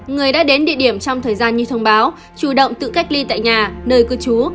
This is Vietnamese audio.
người đã đến địa điểm trong thời gian như thông báo chủ động tự cách ly tại nhà nơi cư trú